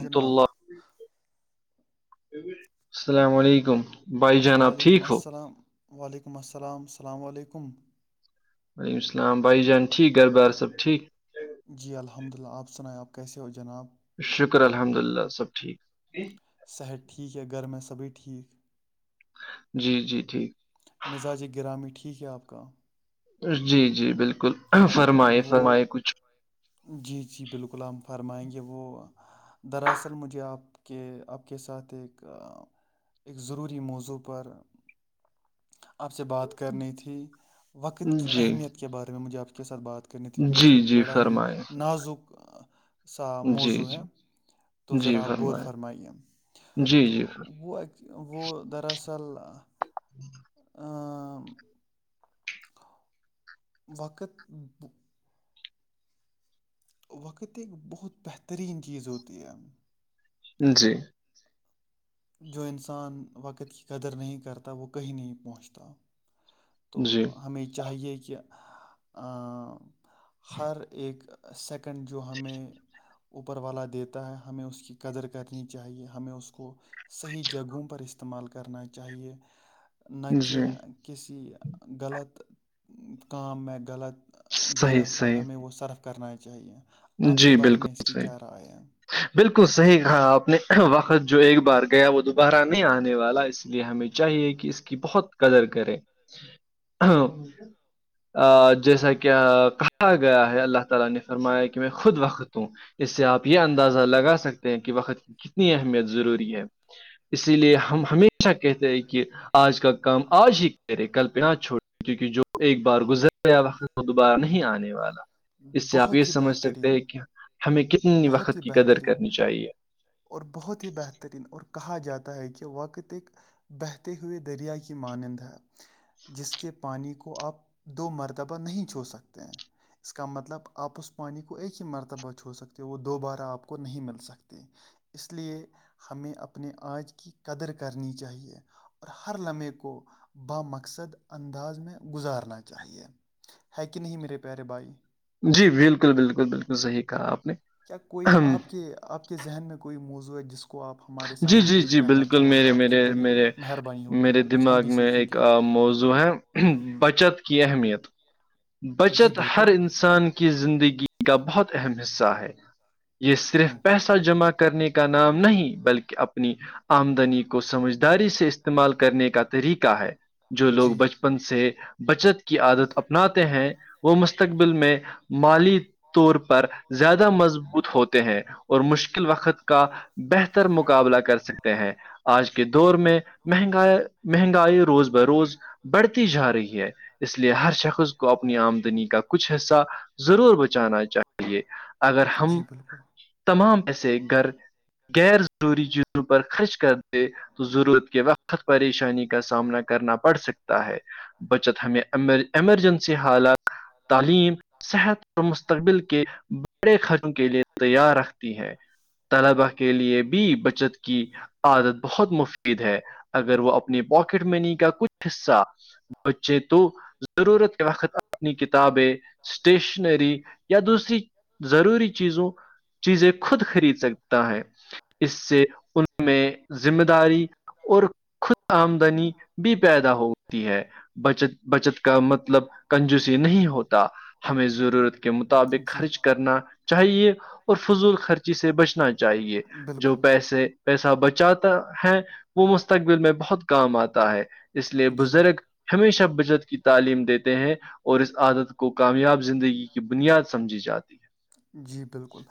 رحمۃ جناب اللہ السلام علیکم بھائی جناب ٹھیک وعلیکم ہو السلام وعلیکم السلام السلام علیکم وعلیکم السل بائی جان ٹھیک گھر بار سب ٹھیک جی الحمد للہ آپ سنیں آپ کیسے ہو جناب شکر الحمد اللہ سب ٹھیک صحت ٹھیک ہے گھر میں ہے سبھی ٹھیک جی جی ٹھیک مزاج گرامی ٹھیک ہے آپ کا جی جی بالکل فرمائے وہ فرمائے کچھ جی جی بالکل ہم فرمائیں گے وہ دراصل مجھے آپ کے آپ کے ساتھ ایک ایک ضروری موضوع پر آپ سے بات کرنی تھی وقت کی جی اہمیت کے بارے میں مجھے آپ کے ساتھ بات کر کرنی تھی کیونکہ جی ایک جی بڑا ہی فرمائے نازک سا جی موضوع ہے جی تو جی ذرا غور فرمائے فرمائیم جی تو جی وہ وہ دراصل ہاں ا تو وقت وقت ایک بہت بہترین چیز ہوتی ہے جی جو انسان وقت کی قدر نہیں کرتا وہ کہیں نہیں پہنچتا تو جی ہمیں چاہیے کہ ہر ایک سیکنڈ جو ہمیں اوپر والا دیتا ہے ہمیں اس کی قدر کرنی چاہیے ہمیں اس کو صحیح جگہوں پر استعمال کرنا چاہیے نہ جی کہہ کسی غلط کا میں غلط صحیح جگہ پر صحیح ہمیں وہ صرف کرنا چاہیے آپ کے جی بارے میں اس بالکل کی کیا صحیح رائے ہے بالکل صحیح کہا آپ نے وقت جو ایک بار گیا وہ دوبارہ نہیں آنے والا اس لیے ہمیں جو چاہیے کہ اس کی بہت قدر کرے ہ جیسا کہ کہا گیا ہے اللہ تعالی نے فرمایا میں خود وقت ہوں اس سے آپ یہ اندازہ لگا سکتے ہیں کہ وقت کی کتنی اہمیت ضروری ہے اسی لیے ہم ہمیں ھا کہتے ہیں کہ آج کا کام آج ہی کرے کلپنا چھوڑ کیونکہ جو ایک بار گزر گیا وقت وہ دوبارہ نہیں آنے والا اس سے آپ یہ بہت ہی سمجھ سکتے بہترین ہیں کہ ہمیں کتنی بہت ہی وقت کی قدر بہترین کرنی چاہیے اور بہت ہی بہترین اور کہا جاتا ہے کہ واقعتک بہتے ہوئے دریا کی مانندہ جس کے پانی کو آپ دو مرتبہ نہیں چھو سکتے ہیں اس کا مطل آپس پانی کو ایک ہی مرتبہ چھو سکتا ہے کہ وہ دوبارہ آپ کو نہیں مل سکتی اس لیے ہمیں اپنے آج کی قدر کرنی چاہیے اور ہر لمحے کو بامقصد انداز میں گزارنا چاہیے ہے کہ نہیں میرے پیارے بھائی جی بالکل بالکل بالکل صحیح کہا آپ نے کیا کوئی آپ کے آپ کے ذہن میں کوئی موضوع ہے جس کو اس کو آپ ہمارے جی سامنے جی پیش جی کرنا بالکل چاہو گے میرے آپ کی میرے بڑی مہربانی ہوگی کچھ ہم بھی سیکھیں گے کا موضوع ہے بچت کی اہمیت [inaudible] بچت ہر بالکل انسان کی زندگی کا بہت اہم حصہ ہے یہ صرف ہوں پیسہ جمع کرنے کا نام نہیں بلکہ اپنی آمدنی کو سمجھداری سے استعمال کرنے کا طریقہ ہے جو لوگ جی بچپن سے بچت کی عادت اپ تے ہیں وہ مستقبل میں مالی طور پر زیادہ مضبوط ہوتے ہیں اور مشکل وقت کا بہتر مق قابلہ کر سکتے ہیں آج کے دور میں مہنگا مہنگائی روز ب روز بڑھتی جا رہی ہے اس لیے ہر شخص خود کو اپنی آمدنی کا کچھ حصہ ضرور بچانا چاہیے اگر ہم جی بالکل تمام ایسے گھر غیر ضروری چیزوں پر خرچ کر دے تو ضرورت کے وقت پریشانی کا سامنا کرنا پڑ سکے ہے بچت ہمیں ایمرجنسی حالات تعلیم صحت مستقبل کے بڑے خدوں کے لیے تیار رکھ ہے طلباء کے لیے بھی بچت کی عادت بہت مفید ہے اگر وہ اپنی پاکٹ منی کا کچھ حصہ بچے تو ضرورت وقت اپنی کتابیں اسٹیشنری یا دوسری ضروری چیزوں چیزیں خود خرید سکتا ہے اس سے ان میں ذمہ داری اور خود آمدنی بھی پیدا ہوتی ہے بچت بچت کا مطلب کنجوسی نہیں ہوتا ہمیں ضرورت کے مطابق جی خرچ کر کرنا چاہیے اور فضول خرچی سے بچنا چاہیے جو بالکل پیسے پیسہ بچاتا ہے وہ مستقبل میں بہت کام آتا ہے اس لیے بزرگ جی ہمیشہ بچت کی تعلیم دیتے ہیں اور اس عادت کو کو کامیاب زندگی کی بنیاد سمجھی جاتی ہے جی بالکل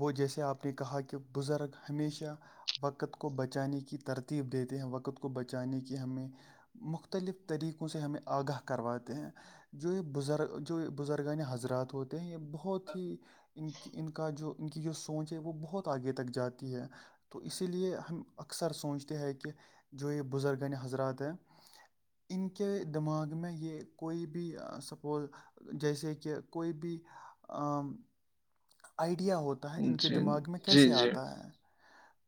وہ جیسے آپ نے کہا کہ بزرگ ہمیشہ وقت کو بچانے کی ترتیب دیتے ہیں وقت کو بچانے کی ہمیں مختلف طریقوں سے ہمیں آگاہ کرواتے ہیں جو یہ بزرگ جو بزرگان حضرات ہوتے ہیں یہ بہت ہی ان کی ان کا جو ان کی جو سونچ ہے وہ بہت آگے تک جاتی ہے تو اسی لیے ہم اکثر سوچتے ہیں کہ جو یہ بزرگ حضرات ہیں ان کے دماغ میں یہ کوئی بھی سپز جیسے کہ کوئی بھی آئیڈیا ہوتا ہے ان کے جی دماغ میں کیسے جی آتا ہے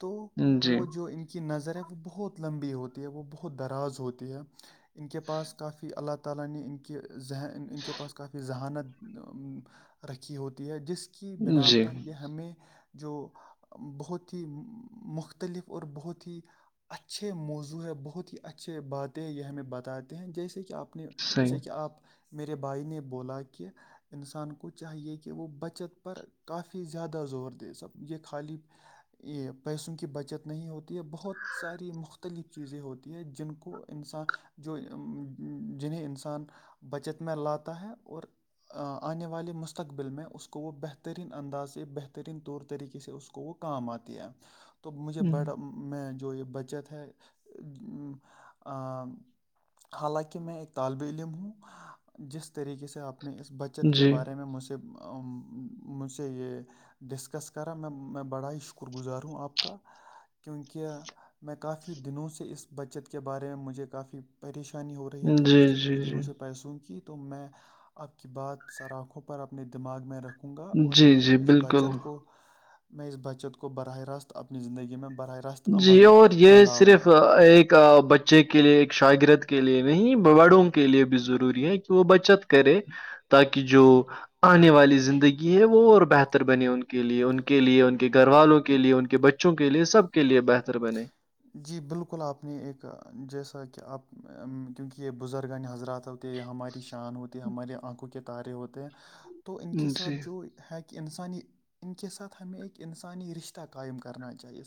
تو جی جی وہ جو ان کی نظر ہے وہ بہت لمبی ہوتی ہے وہ بہت دراز ہوتی ہے ان کے پاس کافی اللہ تعالینے ان کے ذہن ان کے پاس کافی ذہانت رکھی ہوتی ہے جس کی بنا جی پر یہ ہمیں جو بہت ہی مختلف اور بہت ہی اچھے موضوع ہے بہت ہی اچھے باتیں ہیں یہ ہمیں بتاتے ہیں جیسے کہ آپ اپنے جیسے کہ صحیح آپ میرے بھائی نے بولا کہ انسان کو چاہیے کہ وہ بچت پر کافی زیادہ زور دے سب یہ خالی یہ پیسوں کی بچت نہیں ہوتی ہے بہت ساری مختلف چیزیں ہوتی ہیں جن کو انسان جو جنہیں انسان بچت میں لاتا ہے اور آنے والے مستقبل میں اس کو وہ بہترین انداز بہترین طور طریقے سے اس کام آتی ہے تو مجھ با میں جو یہ بچت ہے حالانکہ میں ایک طالب علم ہوں جس طریقے سے سے اپنی اس بچت کے جی، بارے میں مجھے مجھ سے یہ ڈسکس کرا میں میں بڑا ہی شکر گزار ہوں آپ کا کیونکہ میں کافی دنوں سے اس بچت کے بارے میں مجھے کافی پریشانی ہو رہی تھی جی، پچھلے جی، کچھ جی۔ دنوں سے پیسوں کی تو میں آپ کی بات سراکخوں پر اپنے دماغ میں رکھوں گا اور جی، یہ جی، اس بالکل۔ بچت کو میں اس بچت کو براہ راست اپنی زندگی میں براہ را جی اور یہ صرف ایک بچے کے لیے ایک شاگرد کے لیے نہیں بڑوں کے لیے بھی ضروری ہے کہ وہ بچت کرے تاکہ جو آنے والی زندگی ہے وہ اور بہتر بنے ان کے کے لیے ان کے لیے ان کے گھر والوں کے لیے ان کے بچوں کے لیے سب کے لیے بہتر بنے جی بالکل آپ نے ایک جیسا کہ آپ کیونکہ یہ بزرگہ نے حضرات تھا ہماری شان ہوتی ہماراری آنکھوں کے تارے ہوتے ہیں تو ان کے ساتھ جی جو ہے کہ انسانی ان کے ساتھ ہمیں ایک انسانی رشتہ قائم کرنا چاہیے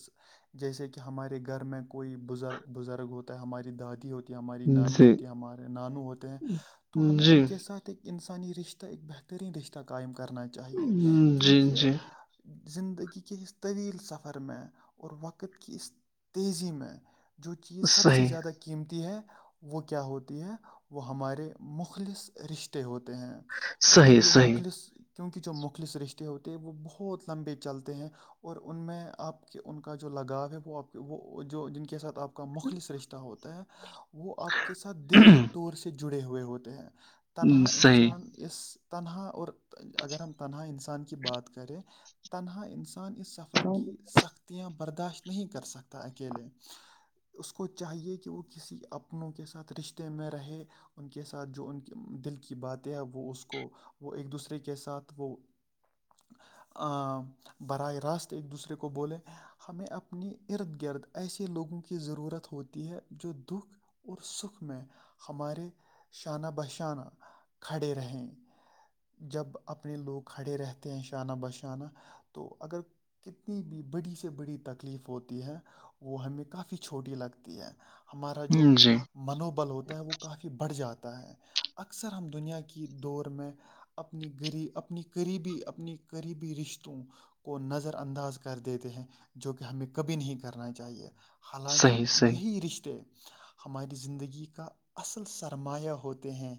جیسے کہ ہمارے گھر میں کوئی بزرگ بزرگ ہوتا ہے ہماری دادی ہوتی ہماری نانی جی ہوتی ہے ہمارے نانو ہوتے ہیں تو ہمیں جی ان کے ساتھ ایک انسانی رشتہ ایک بہترین رشتہ قائم کرنا چاہیے جی کیونکہ جی زندگی کے اس طویل سفر میں اور وقت وقت کی اس تیزی میں جو چیز سب سے صحیح زیادہ قیمتی ہے وہ کیا ہوتی ہے وہ ہمارے مخلص رشتے ہوتے ہیں کیونکہ صحیح جو صحیح مخلص کیونکہ جو مخل سرشتے ہوتے ہیں وہ بہت لمبے چلتے ہیں اور ان میں آپ کے ان کا جو جو لگاؤ ہے وہ آپ وہ جو جن کے ساتھ آپ کا مخل س رشتہ ہوتا ہے وہ وہ آپ کے ساتھ دلی طور سے جڑے ہوئے ہوتے ہیں تنہا صحیح انسان اس تنہا اور اگر ہم تنہا انسان کی بات کریں تنہا انسان اس سفر کی سختیاں برداشت نہیں کر سکتا اکیلے اس کو چاہیے کہ وہ کسی اپنوں کے ساتھ رشتے میں رہے ان کے ساتھ جو ان کی دل کی باتیں ہیں وہ ا کو وہ ایک دوسرے کے ساتھ وہ براہ راست ایک دوسرے کو بولیں ہمیں اپنے ارد گرد ایسے لوگوں کی ضرورت ہوتی ہے جو دکھ اور سکھ میں ہمارے شانہ بہ شانہ کھڑے رہیں جب اپنے لوگ کھڑے رہتے ہیں شانہ بہشانہ تو اگر کتنی بھی بڑی بڑی تکلیف ہوتی ہے وہ ہمیں کافی چھوٹی لگتی ہے ہمارا جو جی منوبل ہوتا ہے وہ کافی بڑھ جاتا ہے اکثر ہم دنیا کی دور میں اپنی غریب اپنی قریبی اپنی قریبی رشتوں کو نظر انداز کر دیتے ہیں جو کہ ہمیں کبھی نہیں کرنا چاہیے حالانکہ صحیح صحیح یہی رشتے ہماری زندگی کا اصل سرمایہ ہوتے ہیں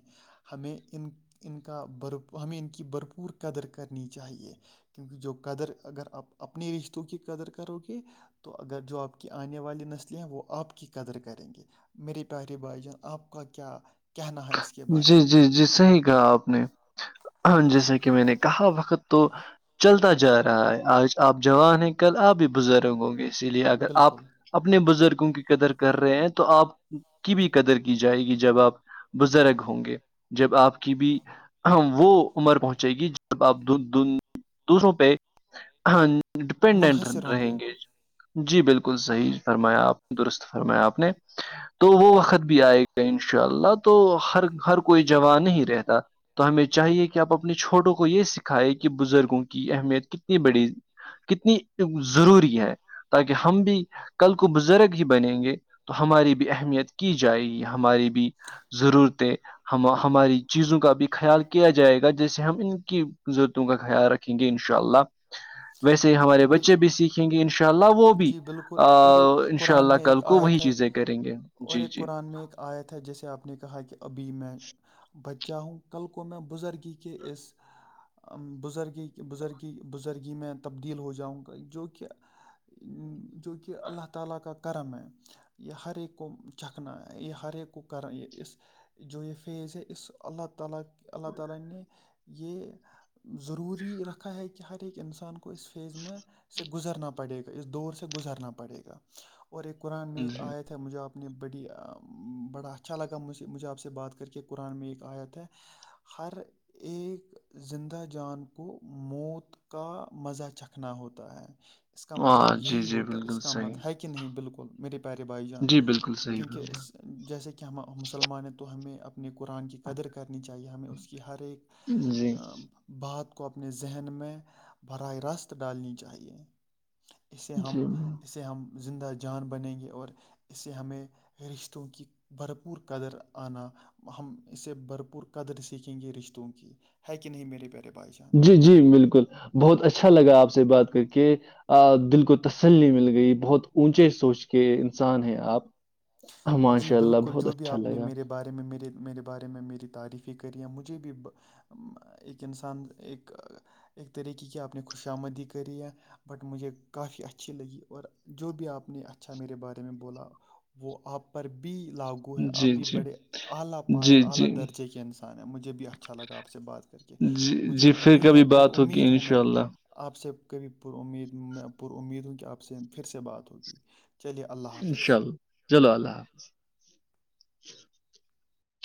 ہمیں ان ان کا ب ہمیں ان کی بھرپور قدر کرنی چاہیے کیونکہ جو قدر اگر آپ اپنی رشتوں کی قدر کرو گے تو اگر جو آپ کی آنے والی نسلیں ہیں وہ آپ کی قدر کریں گے میری پیاری باائی جن آپ کا کیا کہنا ہے اس کے بارے جی میں جی جی صحیح کہا آپ نے جیسا کہ میں نے کہا وقت تو چلتا جا رہا ہے آج آپ جوان ہیں کل آپ بھی بزرگ ہوں گے اسی لیے اگر آپ بالکل اپنے بزرگوں کی قدر کر رہے ہیں تو آپ کی بھی قدر کی جائے گی جب آپ بزرگ ہوں گے جب آپ کی بھی وہ عمر پہنچے گی جب آپ دوسروں پہ ڈیپینڈنٹ منحصر ہوں رہیں گے جی بالکل صحیح فرمایا آپ درست فرمایا آپ نے تو وہ وقت بھی آئے گا ان شاء اللہ تو ہر ہر کوئی جوان ہی رہتا تو ہمیں چاہیے کہ آپ اپنے چھوٹوں کو یہ سکھائے کہ بزرگوں کی اہمیت کتنی بڑی کتنی ضروری ہے تاکہ ہم بھی کل کو بزرگ ہی بنیں گے تو ہماری بھی اہمیت کی جائے گی ہماری بھی ضرور تھ ہم ہماری چیزوں کا بھی خیال کیا جائے گا جیسے ہم ان کی ضرورتوں کا خیال رکھ کیونکہ ان شاء اللہ ہ ویسے ہی ہمارے بچے بھی سیکھیں گے ان شاء اللہ وہ بھی جی بالکل اور ایک ان شاء قرآن اللہ میں کل ایک کو وہی آیت چیزیں کریں گے جی جی آیا تھا جیسے آپ نے کہا کہ ابھی میں بچہ ہوں کل کو میں بزرگی کے اسزرگی بزرگی بزرگ میں تبدیل ہو جاؤں گا جو کہ جو کہ اللہ تعالا کا کرم ہے یہ ہر ایک کو چکنا یہ ہر ایک کو کر یہ اس جو یہ فیز ہے اس اللہ تعالا اللہ تعالا نے یہ ضروری رکھا ہے کہ ہر ایک انسان کو اس فیز میں سے گزرنا پڑے گا اس دور سے گزرنا پڑے گا اور ایک قرآن میں ایک جی آیت مجھے آپ نے بڑی بڑا اچھا لگا مجھے آپ سے بات کر کے قرآن میں ایک آیات ہے ہر ایک زندہ جان کو موت کا مزہ چکھنا ہوتا ہے اس کا مطلب ہاں جی یہی جی ہوتا ہے اس بالکل کا صحیح مت ہے کین بالکل میرے پیارے بائی جان جی بالکل صحیح کیونکہ فرما جیسے کہ ہم مسلمان ہیں تو ہمیں اپ اپنے قرآن کی قدر کرنی چاہیے ہمیں اس کی ہر ایک جی بات کو اپنے ذہن میں براہ راست ڈالنی چاہیے اسے ہم جی اسے ہم زندہ جان بنیں گے اور اس سے ہمیں رشتوں کی بھرپور قدر آنا ہم اس سے بھرپور قدر سیکھیں گے رشتوں کی ہے کہ نہیں میرے پیارے بھائی جان جی جی بالکل بہت اچھا لگا آپ سے بات کر کے دل کو تسلی مل گئی بہت اونچے سوچ کے انسان ہیں آپ جی ماشاء اللہ بالکل بہت جو بھی اچھا آپ نے لگا میرے بارے میں میرے میرے بارے میں میری تعریفی کری ہے مجھے بھی ایک انسان ایک ایک طریقے کی اپنی خوشامدی کرے بٹ مجھے کافی اچھی لگی اور جو بھی آپ نے اچھا میرے بارے میں بولا وہ آپ پر بھی لاگو ہے اب جی بھی جی بڑے اعلی پاائے جی اعلی جی درجے کے انسان مجھے بھی اچھا لگا آپ سے بات کر کے جی مجھے جی پھر امید ہے کبھی پر بات ہوگی امید ہوں میں انشاءاللہ آپ سے کبھی پر امید میں پر امید ہوں کہ آپ سے پھر سے بات ہوگی چلیے اللہ حافظ انشاء اللہ چلو اللہ حافظ